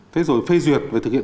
thế rồi phê duyệt và thực hiện